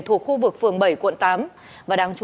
thuộc khu vực phường bảy quận tám